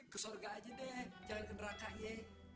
ke sorga aja deh jangan ke neraka ye